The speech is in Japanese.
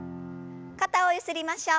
肩をゆすりましょう。